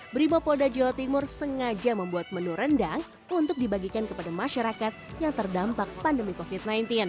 brimopolda jawa timur sengaja membuat menu rendang untuk dibagikan kepada masyarakat yang terdampak pandemi covid sembilan belas